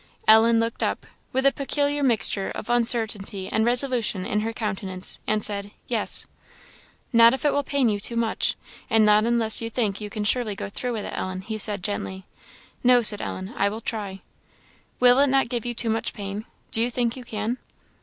Ellen looked up, with a peculiar mixture of uncertainty and resolution in her countenance, and said, "Yes." "Not if it will pain you too much and not unless you think you can surely go through with it, Ellen," he said, gently. "No," said Ellen "I will try." "Will it not give you too much pain? do you think you can?"